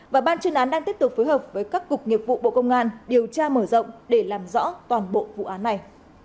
và ban chuyên án đang tiếp tục phối hợp với các cục nghiệp vụ bộ công an điều tra mở rộng để làm rõ toàn bộ vụ án này